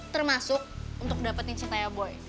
termasuk untuk dapetin cinta ya boy